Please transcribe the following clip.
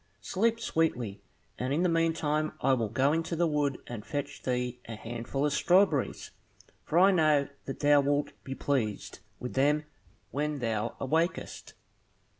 Sleep sweetly, and in the meantime I will go into the wood, and fetch thee a handful of strawberries, for I know that thou wilt be pleased with them when thou awakest."